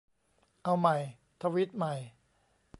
เอาใหม่ ทวีตใหม่